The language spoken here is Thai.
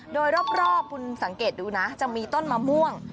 โดยรอบคุณสังเกตดูนะจะมีต้นมะม่วง